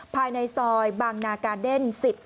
ภายในซอยบางนากาเดน๑๐